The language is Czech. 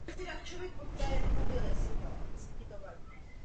Vše bylo činěno dobře, zásadní změny nejsou potřebné.